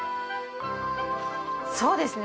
そうですね。